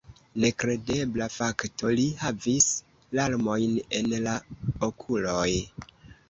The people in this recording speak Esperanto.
Nekredebla fakto: li havis larmojn en la okuloj!